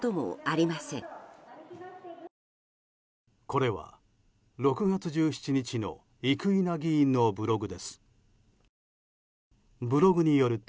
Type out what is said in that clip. これは６月１７日の生稲議員のブログです。